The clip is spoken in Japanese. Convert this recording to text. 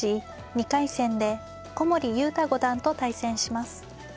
２回戦で古森悠太五段と対戦します。